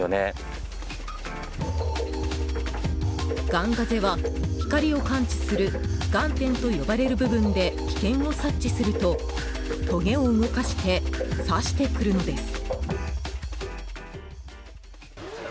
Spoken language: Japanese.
ガンガゼは、光を感知する眼点と呼ばれる部分で危険を察知するとトゲを動かして刺してくるのです。